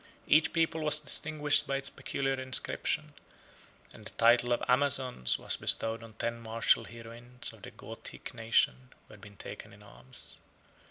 Each people was distinguished by its peculiar inscription, and the title of Amazons was bestowed on ten martial heroines of the Gothic nation who had been taken in arms.